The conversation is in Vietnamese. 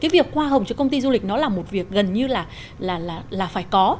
cái việc hoa hồng cho công ty du lịch nó là một việc gần như là phải có